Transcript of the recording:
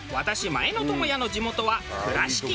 前野朋哉の地元は倉敷。